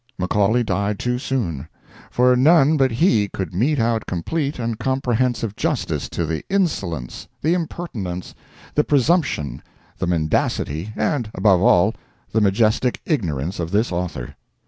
Macaulay died too soon—for none but he could mete out complete and comprehensive justice to the insolence, the impertinence, the presumption, the mendacity, and, above all, the majestic ignorance of this author.